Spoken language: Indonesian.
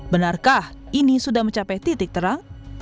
benarkah ini sudah mencapai titik terang